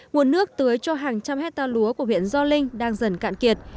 nguồn nước tưới cho hàng trăm hectare lúa của huyện gio linh đang dần cạn kiệt